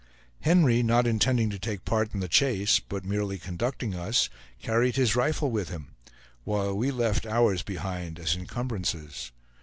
Henry, not intending to take part in the chase, but merely conducting us, carried his rifle with him, while we left ours behind as incumbrances.